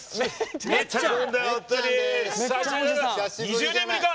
２０年ぶりか！